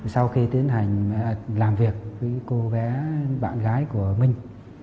sau khi tiến hành làm việc với cô bé bạn gái của mình